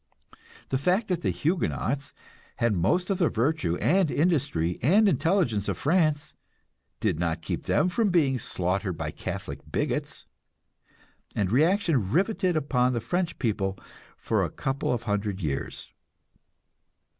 The fact that the Huguenots had most of the virtue and industry and intelligence of France did not keep them from being slaughtered by Catholic bigots, and reaction riveted upon the French people for a couple of hundred years.